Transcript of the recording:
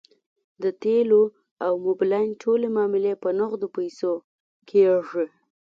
د تیلو او موبلاین ټولې معاملې په نغدو پیسو کیږي